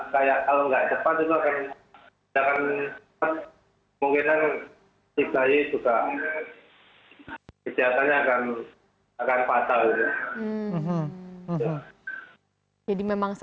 kalau enggak cepat mungkin juga kejahatannya akan fatal